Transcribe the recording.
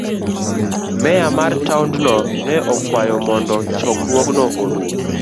Meya mar taondno ne okwayo mondo chokruogno orum.